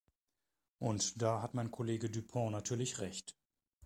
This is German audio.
Und da hat mein Kollege Dupont natürlich Recht.